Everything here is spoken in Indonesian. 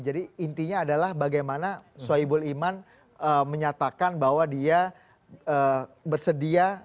jadi intinya adalah bagaimana soebul iman menyatakan bahwa dia bersedia